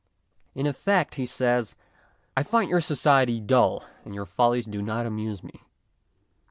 In effect, he says, " I find your society dull and your follies do not amuse me.